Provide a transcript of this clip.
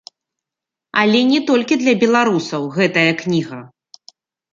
Але не толькі для беларусаў гэтая кніга.